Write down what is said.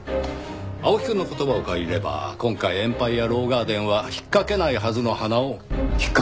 青木くんの言葉を借りれば今回エンパイヤ・ロー・ガーデンは引っかけないはずの洟を引っかけた。